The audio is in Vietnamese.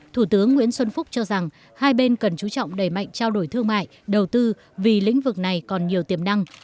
thủ tướng nguyễn xuân phúc cho rằng hai bên cần chú trọng đẩy mạnh trao đổi thương mại đầu tư vì lĩnh vực này còn nhiều tiềm năng